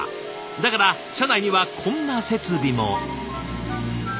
だから社内にはこんな設備も。